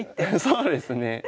そうですね。